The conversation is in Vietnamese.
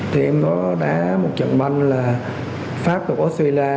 thì em có đá một trận băng là phát được australia